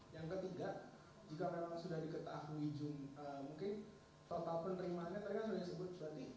yang ketiga jika memang sudah diketahui jumlah mungkin total penerimaannya tadi kan sudah disebut berarti